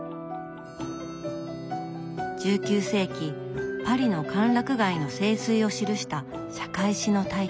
１９世紀パリの歓楽街の盛衰を記した社会史の大著